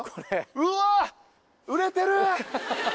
うわぁ売れてる。